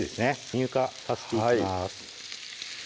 乳化させていきます